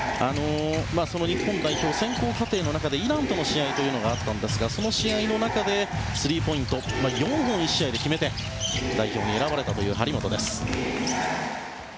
日本代表選考過程の中でイランとの試合があったんですがその試合の中でスリーポイント４本を１試合で決めて代表に選ばれた張本です。